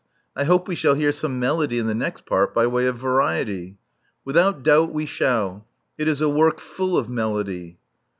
I hope we shall hear some melody in the next part, by way of variety. *' "Without doubt we shall. It is a work full of melody."